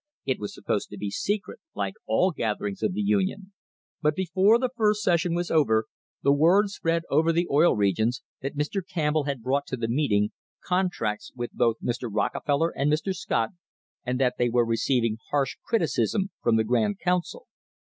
It was supposed to be secret, like all gatherings of the Union, but before the first session was over, the word spread over the Oil Regions that Mr. Campbell had brought to the meeting contracts with both Mr. Rocke feller and Mr. Scott, and that they were receiving harsh criti cism from the Grand Council.